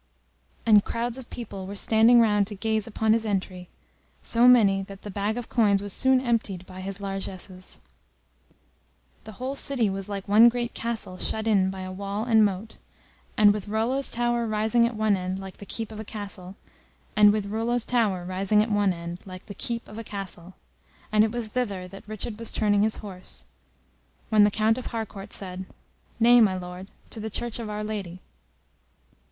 and crowds of people were standing round to gaze upon his entry, so many that the bag of coins was soon emptied by his largesses. The whole city was like one great castle, shut in by a wall and moat, and with Rollo's Tower rising at one end like the keep of a castle, and it was thither that Richard was turning his horse, when the Count of Harcourt said, "Nay, my Lord, to the Church of our Lady."